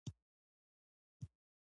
• بښل ټولنه اصلاح کوي.